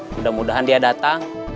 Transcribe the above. mudah mudahan dia datang